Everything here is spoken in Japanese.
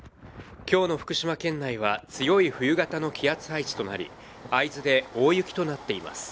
今日の福島県内は強い冬型の気圧配置となり会津で大雪となっています。